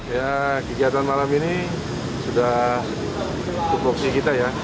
ya kegiatan malam ini sudah untuk voksi kita ya